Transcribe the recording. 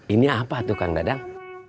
ini apa tuh kang dadang